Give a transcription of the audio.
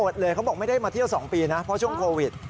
เลยเขาบอกไม่ได้มาเที่ยว๒ปีนะเพราะช่วงโควิด